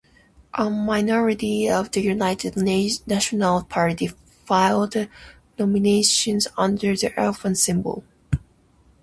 A minority of the United National Party filed nominations under the elephant symbol.